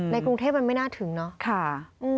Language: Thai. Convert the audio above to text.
กรุงเทพมันไม่น่าถึงเนาะ